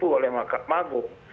ditempu oleh mahkamah agung